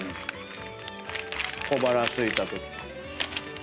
小腹すいたとき。